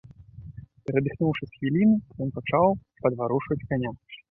Перадыхнуўшы з хвіліну, ён пачаў падварушваць каня.